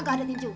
gak ada tinju